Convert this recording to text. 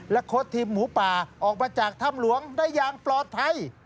โค้ดทีมหมูป่าออกมาจากถ้ำหลวงได้อย่างปลอดภัย